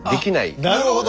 なるほど。